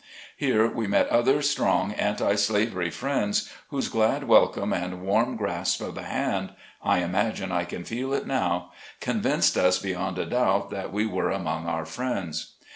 Here we met other strong anti slavery friends, whose glad welcome and warm grasp of the hand — I imagine I can feel it now — convinced us beyond a doubt that we were among our friends.